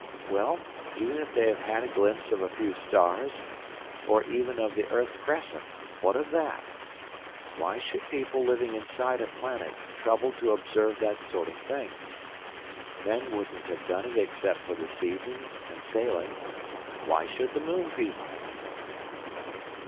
Well, even if they have had a glimpse of a few stars, or even of the earth crescent, what of that? Why should people living inside a planet trouble to observe that sort of thing? Men wouldn't have done it except for the seasons and sailing; why should the moon people?...